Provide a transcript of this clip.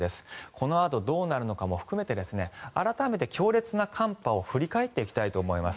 このあと、どうなるのかも含めて改めて強烈な寒波を振り返っていきたいと思います。